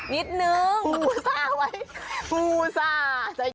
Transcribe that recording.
นิดนึงภูษาไว้ภูษา